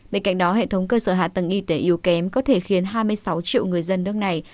bên cạnh đó hệ thống cơ sở hạ tầng y tế yếu kém có thể khiến hai mươi sáu triệu người dân nước này